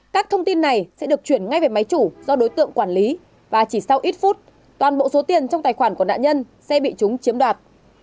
các thông tin này sẽ được chuyển ngay về máy chủ do đối tượng quản lý và chỉ sau ít phút toàn bộ số tiền trong tài khoản của nạn nhân sẽ bị chúng chiếm đoạt